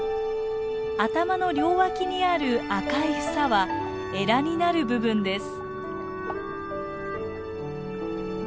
頭の両脇にある赤い房はエラになる部分です。